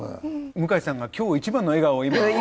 向井さんが今日一番の笑顔を今。